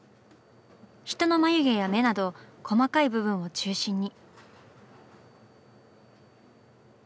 人の眉毛や目など細かい部分を中心に。